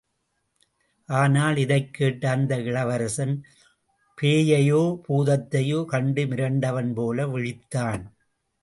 ஆனால் இதைக் கேட்ட அந்த இளவரசன் பேயையோ பூதத்தையோ கண்டு மிரண்டவன் போல விழித்தான்.